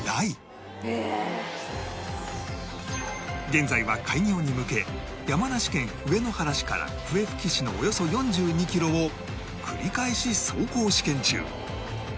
現在は開業に向け山梨県上野原市から笛吹市のおよそ４２キロを繰り返し走行試験中